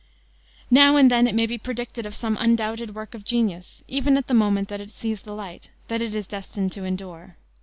Now and then it may be predicted of some undoubted work of genius, even at the moment that it sees the light, that it is destined to endure.